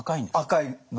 赤いのが。